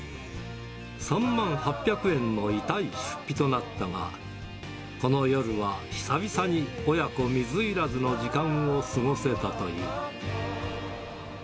３万８００円の痛い出費となったが、この夜は久々に親子水入らずの時間を過ごせたという。